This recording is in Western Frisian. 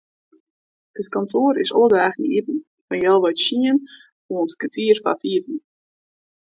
It kantoar is alle dagen iepen fan healwei tsienen oant kertier foar fiven.